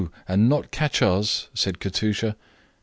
And not catch us?" said Katusha.